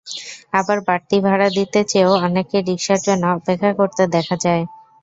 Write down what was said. আবার বাড়তি ভাড়া দিতে চেয়েও অনেককে রিকশার জন্য অপেক্ষা করতে দেখা যায়।